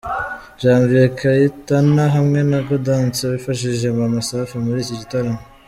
Janvier Kayitana hamwe na Gaudence wafashije Maman Safi muri iki gitaramo.